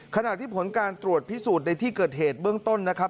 ขณะที่ผลการตรวจพิสูจน์ในที่เกิดเหตุเบื้องต้นนะครับ